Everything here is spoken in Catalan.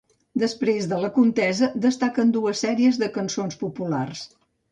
Després de la contesa destaquen dues sèries de cançons populars.